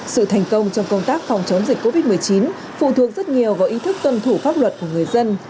sự thành công trong công tác phòng chống dịch covid một mươi chín phụ thuộc rất nhiều vào ý thức tuân thủ pháp luật của người dân